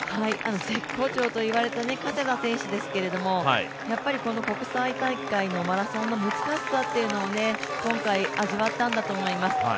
絶好調といわれた加世田選手ですけれども、国際大会のマラソンの難しさを今回味わったんだと思います。